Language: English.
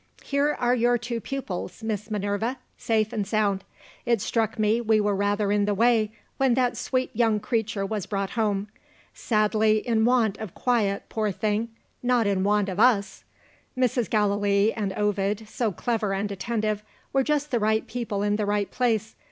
Here are your two pupils, Miss Minerva, safe and sound. It struck me we were rather in the way, when that sweet young creature was brought home. Sadly in want of quiet, poor thing not in want of us. Mrs. Gallilee and Ovid, so clever and attentive, were just the right people in the right place.